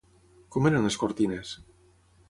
Com eren les cortines?